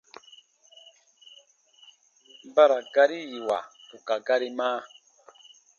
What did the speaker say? Ba ra gari yiiwa bù ka gari ma.